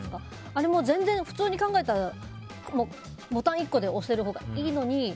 あれも普通に考えたらボタン１個で押せるほうがいいのに。